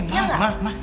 eh emang mah